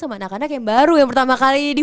sama anak anak yang baru yang pertama kali di